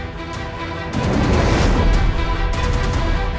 kenapa roda emas tidak mau keluar dari dalam tubuhku